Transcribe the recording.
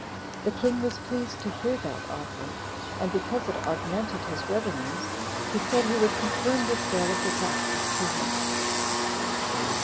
The king was pleased to hear that offer; and because it augmented his revenues, he said he would confirm the sale of the taxes to him.